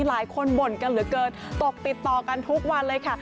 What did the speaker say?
หลายคนบ่นกันเหลือเกินตกติดต่อกันทุกวันเลยค่ะ